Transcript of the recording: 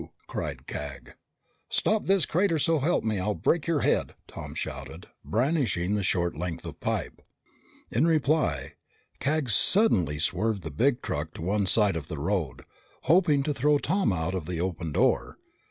cried Cag. "Stop this crate, or so help me, I'll break your head!" Tom shouted, brandishing the short length of pipe. In reply, Cag suddenly swerved the big truck to one side of the road, hoping to throw Tom out of the open door.